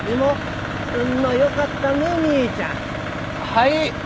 はい？